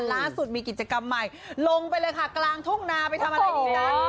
ล่าสุดมีกิจกรรมใหม่ลงไปเลยค่ะกลางทุ่งนาไปทำอะไรดีจ๊ะ